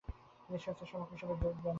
তিনি স্বেচ্ছাসেবক হিসেবে যোগ দেন।